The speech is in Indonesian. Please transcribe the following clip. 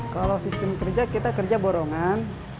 kalau sistem kerja kita kerja borongan